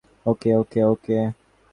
ওকে, okay, ওকে।